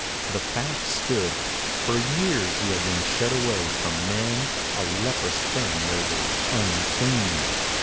The fact stood. For years he had been shut away from men, a leprous thing labeled "Unclean!"